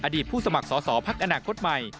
อดีตผู้สมัครสอภักดิ์อนาคตใหม่